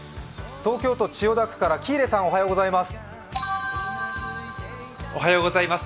東京都千代田区から喜入さん、おはようございます。